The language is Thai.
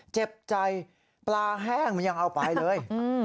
เจ็บใจปลาแห้งมันยังเอาไปเลย